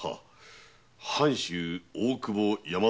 藩主・大久保大和